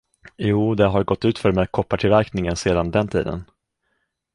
Jo, det har gått utför med koppartillverkningen sedan den tiden.